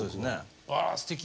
あすてき！